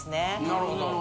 なるほど。